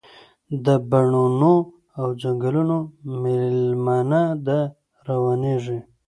د بڼوڼو او ځنګلونو میلمنه ده، روانیږي